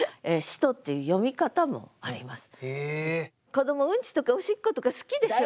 子どもうんちとかおしっことか好きでしょう？